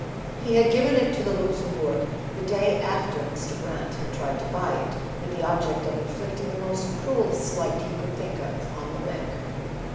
He had given it to the Luxem¬ bourg the day after Mr. Brant had tried to buy it, with the object of inflicting the most cruel slight he could think of on the banker.